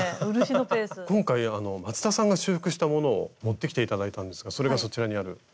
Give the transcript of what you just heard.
今回松田さんが修復したものを持ってきて頂いたんですがそれがそちらにある。